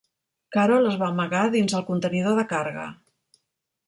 Carol es va amagar dins del contenidor de carga.